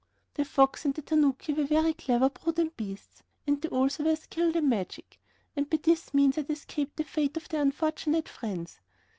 The fox and the tanuki were very clever, prudent beasts, and they also were skilled in magic, and by this means had escaped the fate of their unfortunate friends.